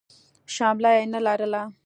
شمله يې نه لرله.